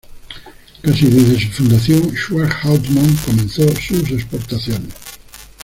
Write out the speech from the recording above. Casi desde su fundación Schwartz-Hautmont comenzó sus exportaciones.